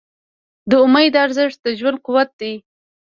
د امید ارزښت د ژوند قوت دی.